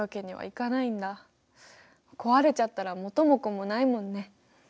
壊れちゃったら元も子もないもんね。